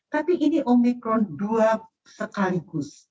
tapi ini omikron dua sekaligus